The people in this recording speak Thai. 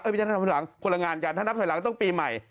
ไม่ใช่นับถอยหลังคนละงานกันถ้านับถอยหลังต้องปีใหม่